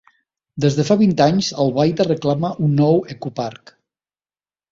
Des de fa vint anys, Albaida reclama un nou ecoparc.